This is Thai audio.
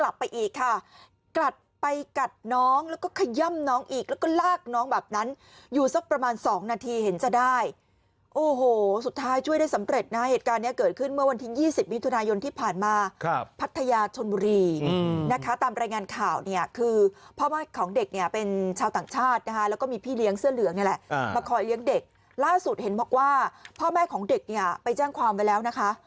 แบบนั้นอยู่สักประมาณสองนาทีเห็นจะได้โอ้โหสุดท้ายช่วยได้สำเร็จนะเหตุการณ์เนี่ยเกิดขึ้นเมื่อวันทิ้งยี่สิบมิถุนายนที่ผ่านมาครับพัทยาชนบุรีนะคะตามรายงานข่าวเนี่ยคือพ่อแม่ของเด็กเนี่ยเป็นชาวต่างชาตินะคะแล้วก็มีพี่เลี้ยงเสื้อเหลืองนี่แหละมาคอยเลี้ยงเด็กล่าสุดเห็นบอกว่าพ่อแม่ของเด็กเน